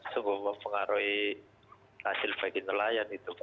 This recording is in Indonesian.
sebuah buah pengaruhi hasil bagi nelayan itu mbak